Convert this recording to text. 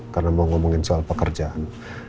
karena mau ngomongin soal pekerjaan